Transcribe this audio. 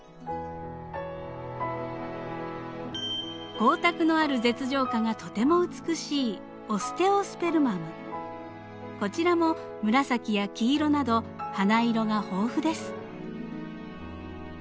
光沢のある舌状花がとても美しいこちらも紫や黄色など花色が豊富です。